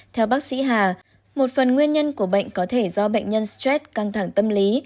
theo bác sĩ hà một phần nguyên nhân của bệnh có thể do bệnh nhân stress căng thẳng tâm lý